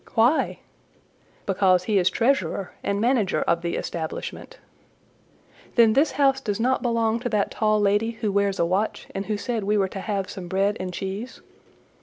"Why?" "Because he is treasurer and manager of the establishment." "Then this house does not belong to that tall lady who wears a watch, and who said we were to have some bread and cheese?"